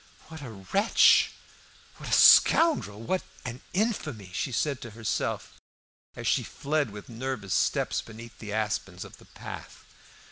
"What a wretch! what a scoundrel! what an infamy!" she said to herself, as she fled with nervous steps beneath the aspens of the path.